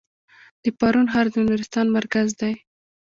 د پارون ښار د نورستان مرکز دی